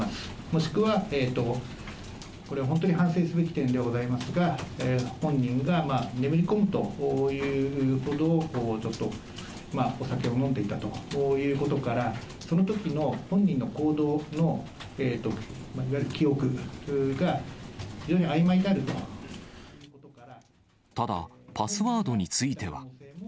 もしくは、これは本当に反省すべき点でございますが、本人が眠り込むというほど、ちょっとまあ、お酒を飲んでいたということから、そのときの本人の行動のいわゆる記憶が、ただ、パスワードについては。